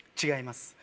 違います